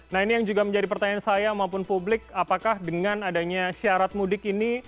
nah ini yang juga menjadi pertanyaan saya maupun publik apakah dengan adanya syarat mudik ini